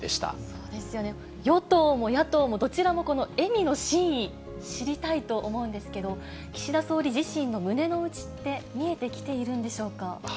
そうですよね、与党も野党も、どちらも笑みの真意、知りたいと思うんですけれども、岸田総理自身の胸の内って見えてきているんでしょうか。